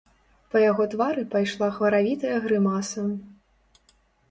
Па яго твары пайшла хваравітая грымаса.